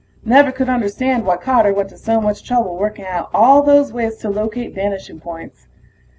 Never could understand why Carter went to so much trouble working out all those ways to locate vanishing points.